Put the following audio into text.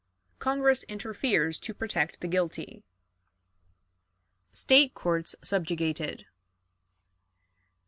Congress interferes to protect the Guilty. State Courts subjugated.